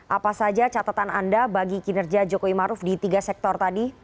apa saja catatan anda bagi kinerja jokowi maruf di tiga sektor tadi